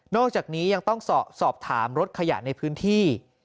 อกจากนี้ยังต้องสอบถามรถขยะในพื้นที่